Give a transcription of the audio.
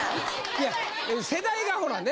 いや世代がほらね